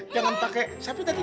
jangan pake siapa tadi